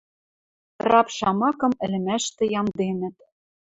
Раб шамакым ӹлӹмӓштӹ ямденӹт.